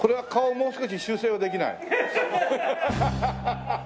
もう少し修正はできない？